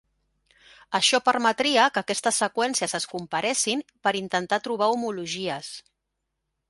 Això permetria que aquestes seqüències es comparessin per intentar trobar homologies.